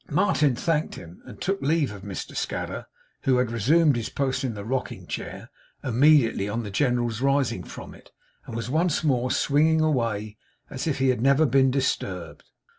Martin thanked him, and took leave of Mr Scadder; who had resumed his post in the rocking chair, immediately on the General's rising from it, and was once more swinging away as if he had never been disturbed.